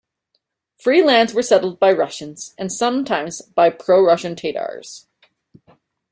Free lands were settled by Russians and sometimes by pro-Russian Tatars.